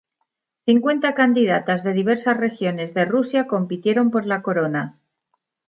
Cincuenta candidatas de diversas regiones de Rusia compitieron por la corona.